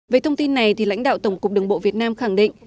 về thông tin này lãnh đạo tổng cục đường bộ việt nam khẳng định